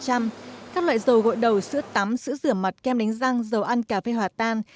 các loại dầu gội đầu sữa tắm sữa rửa mặt kem đánh răng dầu ăn cà phê hòa tan